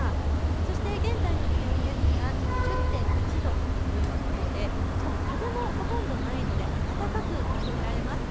そして現在の気温ですが２０．１度ということでしかも風もほとんどないので暖かく感じられます。